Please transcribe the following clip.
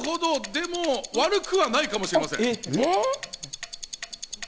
でも悪くはないかもしれません。